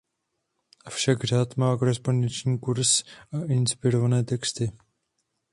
Avšak řád má korespondenční kurz a inspirované texty.